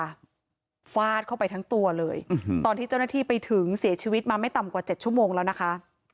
ฟาดเข้าไปทั้งตัวเลยตอนที่เจ้าหน้าที่ไปถึงเสียชีวิตมาไม่ต่ำกว่าเจ็ดชั่วโมงแล้วนะคะ